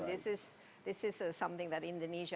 ini adalah hal yang harus dilakukan indonesia